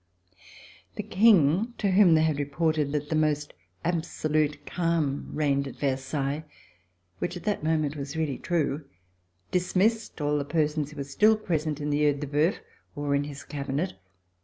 The King, to whom they had reported that the most absolute calm reigned at Versailles, which at that moment was really true, dismissed all the persons who were still present in the ceil de hceuj or in his cabinet.